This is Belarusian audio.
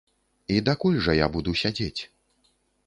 І дакуль жа я буду сядзець?